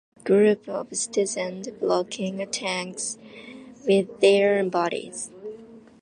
Groups of citizens blocking tanks with their bodies.